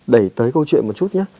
đẩy tới câu chuyện một chút nhé